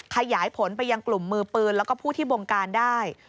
ขยายผลไปยังกลุ่มมือปืนแล้วก็ผู้ที่บงการได้